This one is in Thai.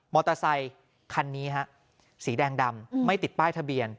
อเตอร์ไซคันนี้ฮะสีแดงดำไม่ติดป้ายทะเบียน